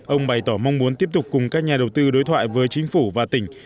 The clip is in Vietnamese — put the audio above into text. ông bày tỏ mong muốn tiếp tục cùng các nhà đầu tư đối thoại với chính phủ và tỉnh